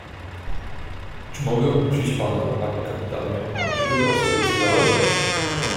"Czy mogę prosić pana, panie kapitanie, abyś wybrał sobie cygaro?"